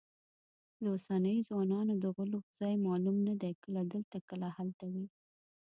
د اوسنیو ځوانانو د غولو ځای معلوم نه دی، کله دلته کله هلته وي.